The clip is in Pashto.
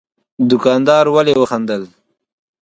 دوکاندار ولي وخندل؟